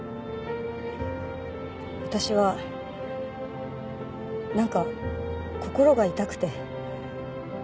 私はなんか心が痛くて。